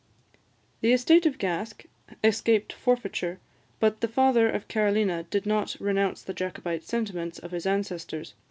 The estate of Gask escaped forfeiture, but the father of Carolina did not renounce the Jacobite sentiments of his ancestors.